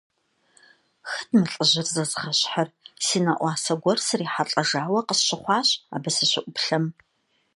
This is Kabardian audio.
Хэт мы лӀыжьыр зэзгъэщхьыр – си нэӀуасэ гуэр срихьэлӀэжауэ къысщыхъуащ, абы сыщыӀуплъэм.